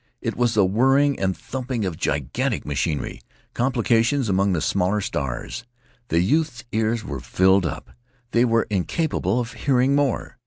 It was the whirring and thumping of gigantic machinery, complications among the smaller stars. The youth's ears were filled up. They were incapable of hearing more.